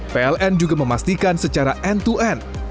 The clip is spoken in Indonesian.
pln juga memastikan secara end to end